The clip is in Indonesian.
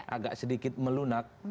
agak sedikit melunak